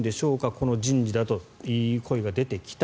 この人事だとという声が出てきた。